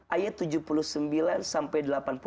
ayat tujuh puluh sembilan sampai delapan puluh